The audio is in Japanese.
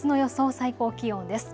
最高気温です。